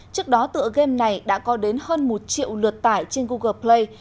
trước đó tựa game này đã có đến hơn một triệu lượt tải trên google play